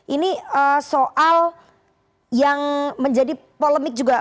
ini soal yang menjadi polemik juga